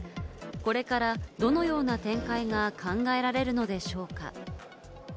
これから、どのような展開が考えられるのでしょうか？